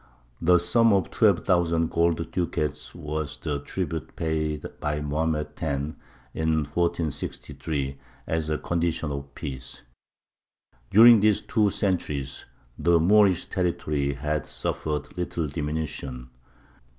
The sum of twelve thousand gold ducats was the tribute paid by Mohammed X., in 1463, as a condition of peace. During these two centuries the Moorish territory had suffered little diminution.